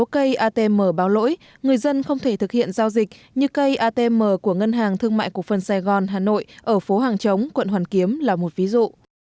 cây atm báo lỗi người dân không thể thực hiện giao dịch như cây atm của ngân hàng thương mại cục phần sài gòn hà nội ở phố hàng chống quận hoàn kiếm là một ví dụ